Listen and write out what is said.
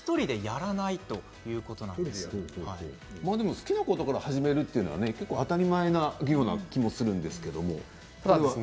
好きなことから始めるというのは当たり前な気がしますけれど。